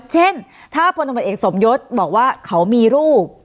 เช่นถ้าพลตำรวจเอกสมยศบอกว่าเขามีรูป